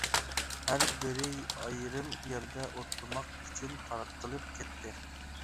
ھەر بىرى ئايرىم يەردە ئوتلىماق ئۈچۈن تارقىلىپ كەتتى.